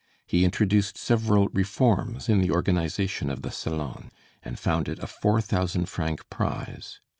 He introduced several reforms in the organization of the Salon, and founded a 4,000 franc prize.